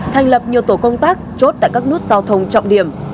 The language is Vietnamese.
thành lập nhiều tổ công tác chốt tại các nút giao thông trọng điểm